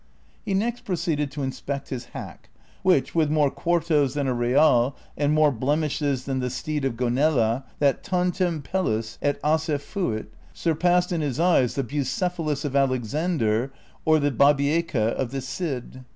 He next proceeded to inspect his hack, which, with more quartos than a real ^ and more blemishes than the steed of Gonela, that " tantum pcUls at ossa fult,'^ surpassed in his eyes the Bucephalus of Alexander or the Babieca of the Cid.